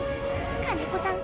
金子さん